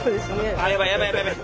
あやばいやばいやばいやばい。